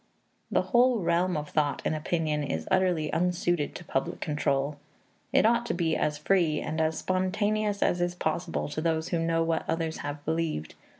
The whole realm of thought and opinion is utterly unsuited to public control; it ought to be as free, and as spontaneous as is possible to those who know what others have believed.